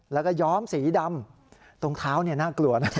แล้วก็ย้อมสีดำตรงเท้าน่ากลัวนะ